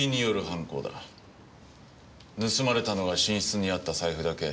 盗まれたのは寝室にあった財布だけ。